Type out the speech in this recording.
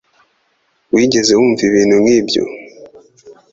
Wigeze wumva ibintu nk'ibyo